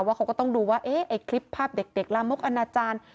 ว่าเขาก็ต้องดูว่าไอ้คลิปภาพเด็กลามกอนาจารย์